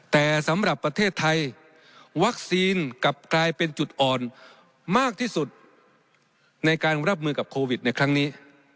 แต่สำหรับประเทศไทยวัคซีนกลับกลายเป็นจุดอ่อนมากที่สุดในการรับมือกับโควิดในครั้งนี้